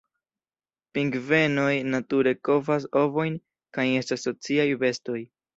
Pingvenoj nature kovas ovojn kaj estas sociaj bestoj.